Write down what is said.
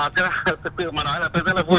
thực tự mà nói là tôi rất là vui